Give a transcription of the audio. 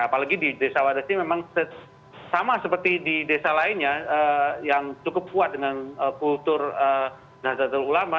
apalagi di desa wadas ini memang sama seperti di desa lainnya yang cukup kuat dengan kultur nahdlatul ulama